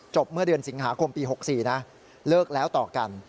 เมื่อเดือนสิงหาคมปี๖๔นะเลิกแล้วต่อกัน